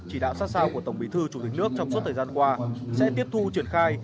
chỉ đạo sát sao của tổng bí thư chủ tịch nước trong suốt thời gian qua sẽ tiếp thu triển khai